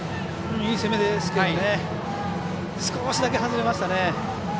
いい攻めですが少しだけ外れましたね。